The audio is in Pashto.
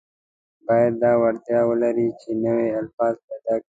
باید دا وړتیا ولري چې نوي الفاظ پیدا کړي.